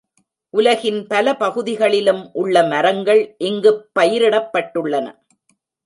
உலகின் பல பகுதிகளிலும் உள்ள மரங்கள் இங்குப் பயிரிடப்பட்டுள்ளன.